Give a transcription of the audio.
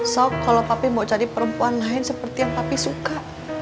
so kalau tapi mau cari perempuan lain seperti yang papi suka